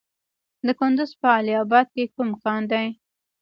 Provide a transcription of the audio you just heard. د کندز په علي اباد کې کوم کان دی؟